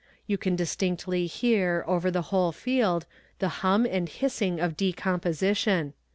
You can distinctly hear, over the whole field, the hum and hissing of decomposition.